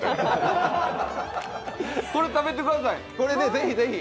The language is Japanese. これ、食べてください。